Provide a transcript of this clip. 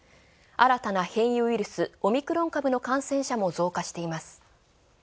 新たな変異ウイルス、オミクロン株の感染者も増加しています。